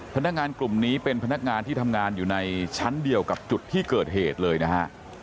พนักงานกลุ่มนี้เป็นพนักงานที่ทำงานอยู่ในชั้นเดียวกับจุดที่เกิดเหตุเลยนะฮะ